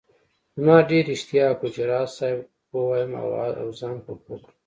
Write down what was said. زما ډېر اشتياق وو چي راز صاحب ووايم او زان په پوهه کړم